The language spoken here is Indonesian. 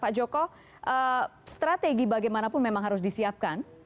pak joko strategi bagaimanapun memang harus disiapkan